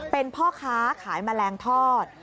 เป็นพ่อค้าขายแมลงทอด